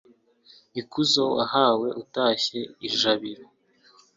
ikuzo wahawe utashye i jabiro